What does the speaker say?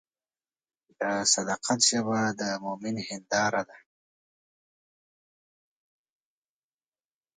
د صداقت ژبه د مؤمن هنداره ده.